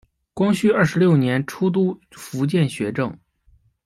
光绪二十六年出督福建学政。